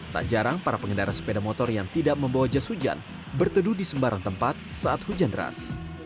tak jarang para pengendara sepeda motor yang tidak membawa jas hujan berteduh di sembarang tempat saat hujan deras